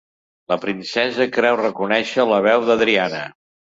La princesa creu reconèixer la veu d'Adriana.